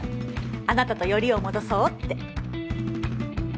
あなたとよりを戻そうって。